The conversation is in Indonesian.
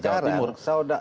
sekarang saya sudah